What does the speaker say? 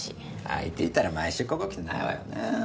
相手いたら毎週ここ来てないわよね。